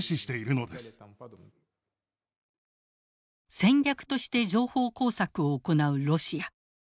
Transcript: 戦略として情報工作を行うロシア。